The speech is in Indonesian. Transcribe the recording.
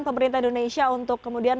pemerintah indonesia untuk kemudian